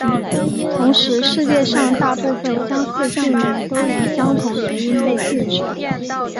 同时世界上大部份相似敬礼都以相同原因被禁止。